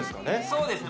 そうですね。